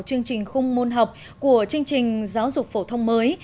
chương trình khung môn học của chương trình giáo dục phổ thông mới